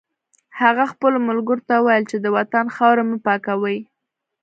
هغه خپلو ملګرو ته وویل چې د وطن خاورې مه پاکوئ